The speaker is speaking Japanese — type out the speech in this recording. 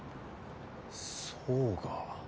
そうか。